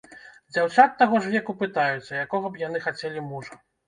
Дзяўчат таго ж веку пытаюцца, якога б яны хацелі мужа.